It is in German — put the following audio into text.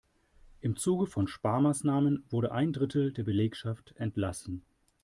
Im Zuge von Sparmaßnahmen wurde ein Drittel der Belegschaft entlassen.